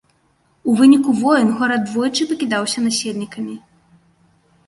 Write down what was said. У выніку войн горад двойчы пакідаўся насельнікамі.